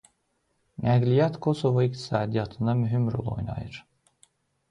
Nəqliyyat Kosovo iqtisadiyyatında mühüm rol oynayır.